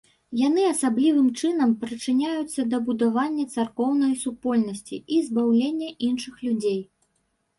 Яны асаблівым чынам прычыняюцца да будавання царкоўнай супольнасці і збаўлення іншых людзей.